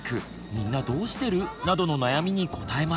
みんなどうしてる？」などの悩みに答えます！